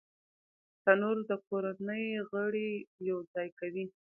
تنور د کورنۍ غړي یو ځای کوي